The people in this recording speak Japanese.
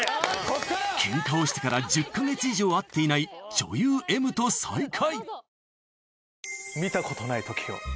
・ケンカをしてから１０か月以上会っていない女優Ｍと再会